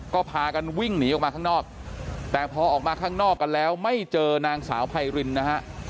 ก็พากันวิ่งหนีออกมาข้างนอกแต่พอออกมาข้างนอกกันแล้วไม่เจอนางสาวไพรินนะฮะ